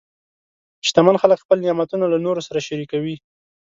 شتمن خلک خپل نعمتونه له نورو سره شریکوي.